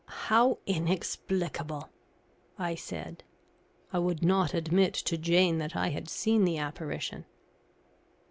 "How inexplicable!" I said. I would not admit to Jane that I had seen the apparition.